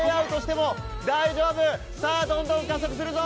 さあ、どんどん加速するぞ。